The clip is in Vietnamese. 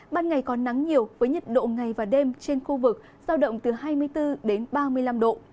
ban ngày có nắng nhiều với nhiệt độ ngày và đêm trên khu vực giao động từ hai mươi bốn đến ba mươi năm độ